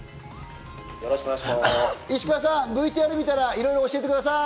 石川さん、ＶＴＲを見たらいろいろ教えてください。